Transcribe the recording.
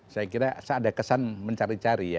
saya kira ada kesan mencari cari